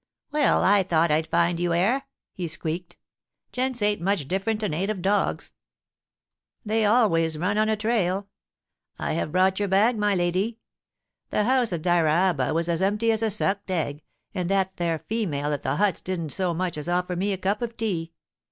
*Well, I thought as I'd find you 'ere,' he squeaked. * Gents ain't much different to native dogs — they always run AfUSIC IN THE VERANDA. 183 on a trail I have brought your bag, my lady. The house at Dyraaba was as empty as a sucked egg, and that there female at the huts didn't so much as offer me a cup of tea.